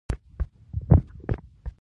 ګیلاس د خوږو خبرو منځکۍ دی.